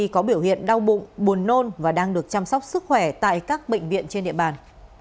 có biểu hiện đau bụng buồn nôn và đang được chăm sóc sức khỏe tại các bệnh viện trên địa bàn